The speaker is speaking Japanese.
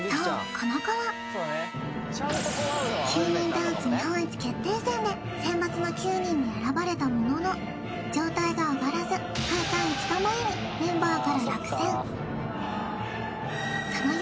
この子は９人ダンス日本一決定戦で選抜の９人に選ばれたものの状態が上がらず大会５日前にメンバーから落選